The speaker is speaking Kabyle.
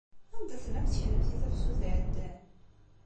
Anda tellamt kennemti tafsut iɛeddan?